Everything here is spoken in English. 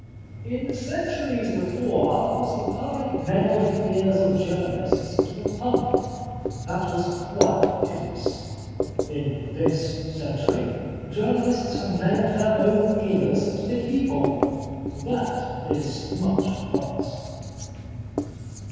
" In cen turies before ours the public nailed the ears of journahsts to the pump. That was quite hid eous. In this century journalists have nailed their own ears to the keyhole. That is much worse."